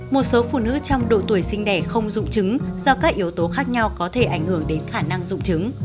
một số phụ nữ trong độ tuổi sinh đẻ không dung trứng do các yếu tố khác nhau có thể ảnh hưởng đến khả năng dung trứng